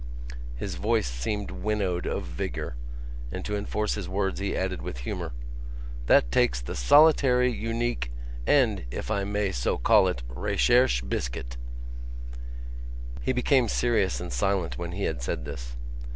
His voice seemed winnowed of vigour; and to enforce his words he added with humour: "That takes the solitary, unique, and, if I may so call it, recherché biscuit!" He became serious and silent when he had said this.